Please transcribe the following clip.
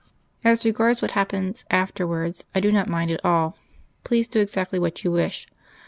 "As regards what happens afterwards, I do not mind at all. Please do exactly what you wish.